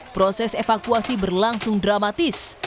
proses evakuasi berlangsung dramatis